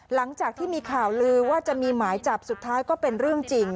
หลังจากที่มีข่าวลือว่าจะมีหมายจับสุดท้ายก็เป็นเรื่องจริง